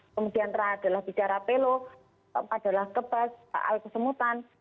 kemudian ada bidara peluk keempat adalah kebat alat kesemutan